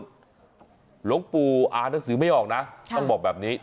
หลวงปู่อ่านหนังสือไม่ออกนะต้องบอกแบบนี้